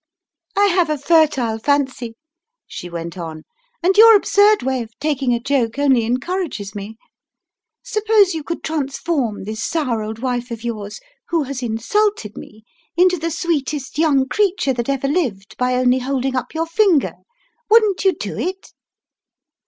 "I have a fertile fancy," she went on, "and your absurd way of taking a joke only encourages me! Suppose you could transform this sour old wife of yours, who has insulted me, into the sweetest young creature that ever lived by only holding up your finger, wouldn't you do it?"